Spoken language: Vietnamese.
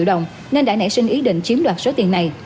đã nảy sinh ý định chiếm đoạt số tiền này